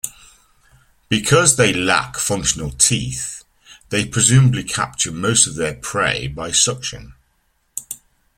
Because they lack functional teeth, they presumably capture most of their prey by suction.